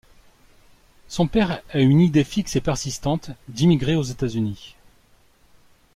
Son père a une idée fixe et persistante d'immigrer aux États-Unis.